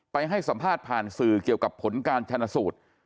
ให้สัมภาษณ์ผ่านสื่อเกี่ยวกับผลการชนะสูตร